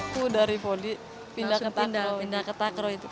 aku dari voli pindah ke takraw